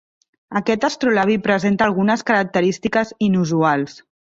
Aquest astrolabi presenta algunes característiques inusuals.